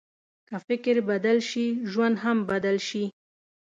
که فکر بدل شي، ژوند هم بدل شي.